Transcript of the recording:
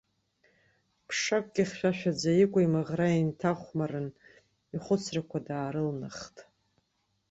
Ԥшакгьы хьшәашәаӡа икәа-имаӷра инҭахәмарын, ихәыцрақәа даарылнахт.